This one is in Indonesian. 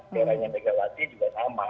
eranya megawati juga sama